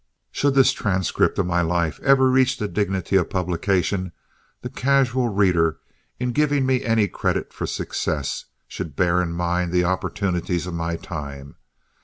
Should this transcript of my life ever reach the dignity of publication, the casual reader, in giving me any credit for success, should bear in mind the opportunities of my time.